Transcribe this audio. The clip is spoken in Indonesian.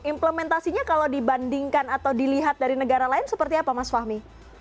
implementasinya kalau dibandingkan atau dilihat dari negara lain seperti apa mas fahmi